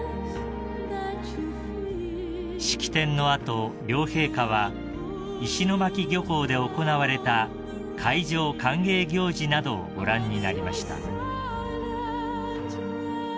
［式典の後両陛下は石巻漁港で行われた海上歓迎行事などをご覧になりました］